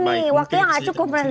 ini waktunya nggak cukup nanti